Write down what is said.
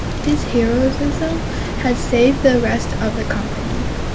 His heroism had saved the rest of the company.